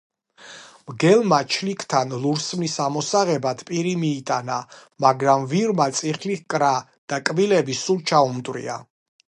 მგელმა ჩლიქთან ლურსმნის ამოსაღებად პირი მიიტანა, მაგრამ ვირმა წიხლი ჰკრა და კბილები სულ ჩაუმტვრია